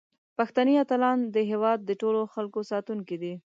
پښتني اتلان د هیواد د ټولو خلکو ساتونکي دي.